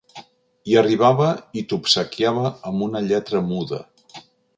Hi arribava i t'obsequiava amb una lletra muda.